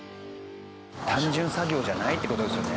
単純作業じゃないって事ですよね。